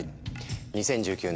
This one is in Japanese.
２０１９年